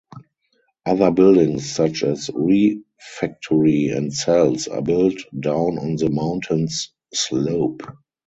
Other buildings such as refectory and cells are built down on the mountains slope.